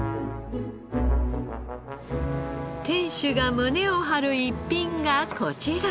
店主が胸を張る逸品がこちら。